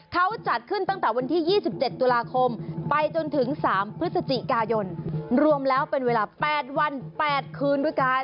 เขาจัดขึ้นตั้งแต่วันที่๒๗ตุลาคมไปจนถึง๓พฤศจิกายนรวมแล้วเป็นเวลา๘วัน๘คืนด้วยกัน